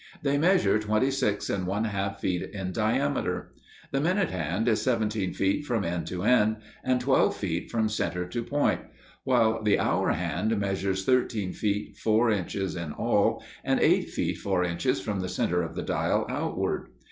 They measure twenty six and one half feet in diameter. The minute hand is seventeen feet from end to end, and twelve feet from center to point, while the hour hand measures thirteen feet four inches in all, and eight feet four inches from the center of the dial outward.